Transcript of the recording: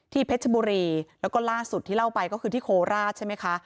เพชรบุรีแล้วก็ล่าสุดที่เล่าไปก็คือที่โคราชใช่ไหมคะ